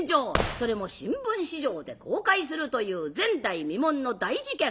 それも新聞紙上で公開するという前代未聞の大事件。